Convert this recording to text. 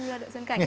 độ sơn cảnh